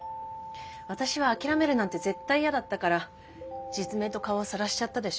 私は諦めるなんて絶対嫌だったから実名と顔をさらしちゃったでしょ。